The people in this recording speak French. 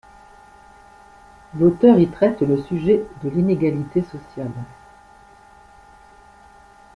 L'auteur y traite le sujet de l'inégalité sociale.